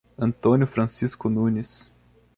Antônio Francisco Nunes